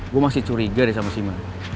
gue masih curiga deh sama si mel